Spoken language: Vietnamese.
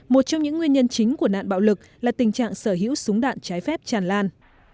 một trong những nguyên nhân chính của nạn bạo lực là tình trạng sở hữu súng đạn trái phép tràn lan